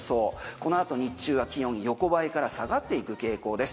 この後、日中は気温横ばいから下がっていく傾向です。